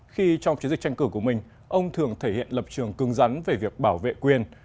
khi trong chiến dịch tranh cử của mình ông thường thể hiện lập trường cưng rắn về việc bảo vệ quyền